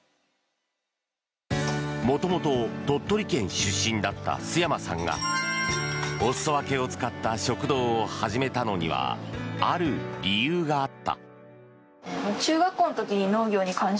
元々、鳥取県出身だった陶山さんがお裾分けを使った食堂を始めたのにはある理由があった。